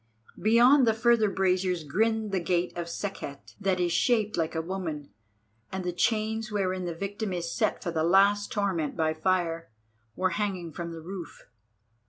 Beyond the further braziers grinned the gate of Sekhet, that is shaped like a woman, and the chains wherein the victim is set for the last torment by fire, were hanging from the roof.